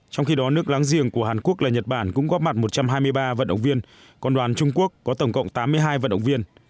trong khi đó nước láng giềng của hàn quốc là nhật bản cũng góp mặt một trăm hai mươi ba vận động viên còn đoàn trung quốc có tổng cộng tám mươi hai vận động viên